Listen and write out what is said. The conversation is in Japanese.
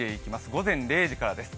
午前０時からです。